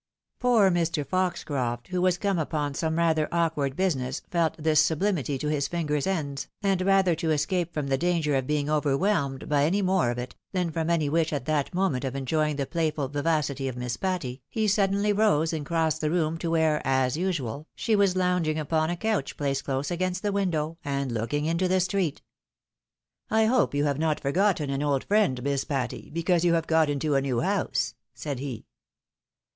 Poor Mr. Foxcroft, who was come upon some rather awk ward business, felt thissuTjhmity to his fingers' ends, and rather to escape from the danger of being overwhelmed by any more of it, than from any wish at that moment of enjoying the playful vivacity of Miss Patty, he suddenly rose and crossed the room to where, as usual, she was lounging upon a couch placed close against the window, and looking into the street. " I hope you have not forgotten an old friend, Miss Patty, because you have got into a new house ?" said he.